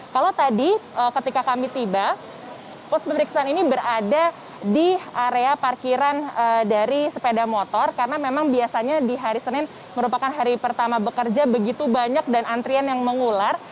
kalau tadi ketika kami tiba pos pemeriksaan ini berada di area parkiran dari sepeda motor karena memang biasanya di hari senin merupakan hari pertama bekerja begitu banyak dan antrian yang mengular